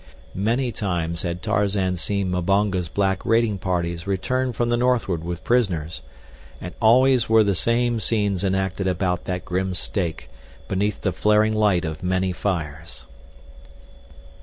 Many times had Tarzan seen Mbonga's black raiding parties return from the northward with prisoners, and always were the same scenes enacted about that grim stake, beneath the flaring light of many fires.